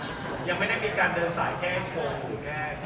ยังไม่ได้มีการเดินสายแค่โชว์